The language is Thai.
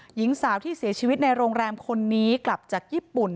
หญิงสาวที่เสียชีวิตในโรงแรมคนนี้กลับจากญี่ปุ่น